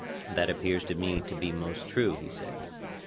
That appears to me to be most true, he said.